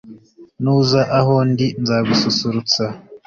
Nuza aho ndi nzagususurutsa.